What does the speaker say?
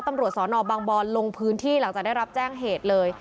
ตำรวจสอนอบางบอนลงพื้นที่หลังจากได้รับแจ้งเหตุเลย